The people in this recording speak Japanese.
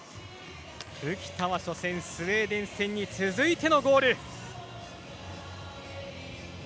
浮田は初戦スウェーデン戦に続いてのゴール。